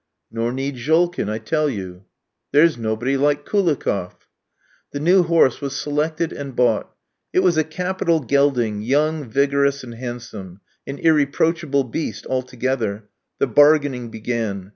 "Nor need Jolkin, I tell you." "There's nobody like Koulikoff." The new horse was selected and bought. It was a capital gelding young, vigorous, and handsome; an irreproachable beast altogether. The bargaining began.